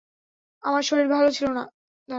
আমার শরীর ভাল ছিলো না।